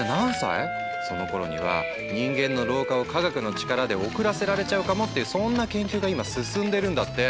そのころには人間の老化を科学の力で遅らせられちゃうかもっていうそんな研究が今進んでるんだって。